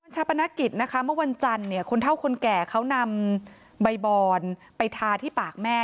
ปนกิจนะคะเมื่อวันจันทร์เนี่ยคนเท่าคนแก่เขานำใบบอนไปทาที่ปากแม่